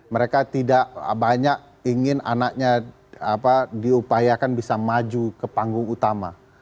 mereka tidak banyak ingin anaknya diupayakan bisa maju ke panggung utama